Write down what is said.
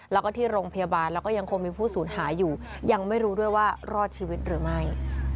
แล้วก็ที่โรงพยาบาลแล้วก็ยังคงมีผู้สูญหายอยู่ยังไม่รู้ด้วยว่ารอดชีวิตหรือไม่